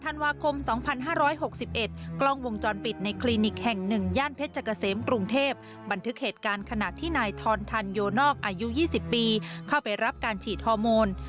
๘ธันวาคมสองพันห้าร้อยหกสิบเอ็ดกล้องวงจรปิดในคลินิคแห่งหนึ่งย่านเพชรกเซมกรุงเทพบันทึกเหตุการณ์ขณะที่นายทอนทันโยนอกอายุยี่สิบปีเข้าไปรับการฉีดฮอร์โมน